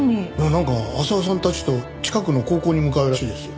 なんか浅輪さんたちと近くの高校に向かうらしいですよ。